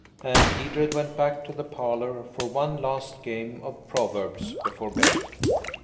And Edred went back to the parlour for one last game of Proverbs before bed.